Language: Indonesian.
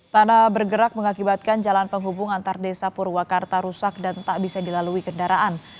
tanah bergerak mengakibatkan jalan penghubung antar desa purwakarta rusak dan tak bisa dilalui kendaraan